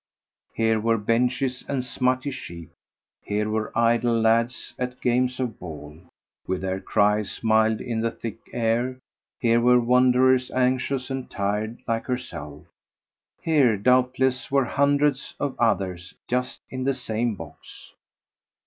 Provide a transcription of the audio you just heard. Here were benches and smutty sheep; here were idle lads at games of ball, with their cries mild in the thick air; here were wanderers anxious and tired like herself; here doubtless were hundreds of others just in the same box.